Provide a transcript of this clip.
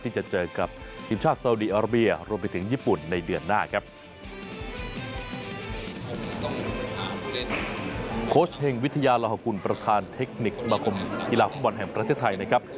จะเจอกับทีมชาติสาวดีอาราเบียรวมไปถึงญี่ปุ่นในเดือนหน้าครับ